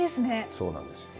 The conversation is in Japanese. そうなんですよね。